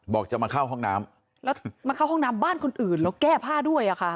จะมาเข้าห้องน้ำแล้วมาเข้าห้องน้ำบ้านคนอื่นแล้วแก้ผ้าด้วยอ่ะค่ะ